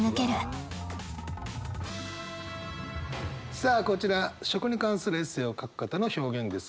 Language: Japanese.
さあこちら食に関するエッセイを書く方の表現ですが。